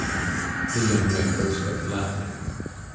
35 The young men burst out laughing.